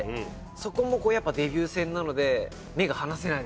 そこもデビュー戦なので目が離せないですね。